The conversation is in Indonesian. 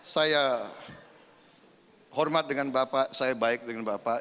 saya hormat dengan bapak saya baik dengan bapak